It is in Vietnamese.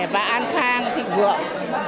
và an khang thịnh vườn